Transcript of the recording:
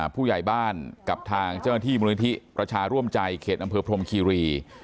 ผู้ใหญ่บ้านกับทางเจ้าหน้าที่มูลนิธิประชาร่วมใจเขตอำเภอพรมคีรี